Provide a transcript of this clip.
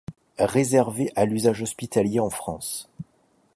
Réservé à l'usage hospitalier en France.